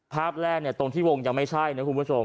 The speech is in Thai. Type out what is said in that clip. ภาพแรกตรงที่วงยังไม่ใช่นะคุณผู้ชม